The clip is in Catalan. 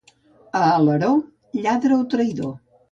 A Alaró, lladre o traïdor.